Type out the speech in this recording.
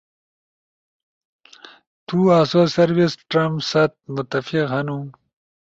تو اسو سروس ٹرم ست متفق ہنو